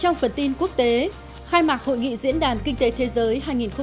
trong phần tin quốc tế khai mạc hội nghị diễn đàn kinh tế thế giới hai nghìn hai mươi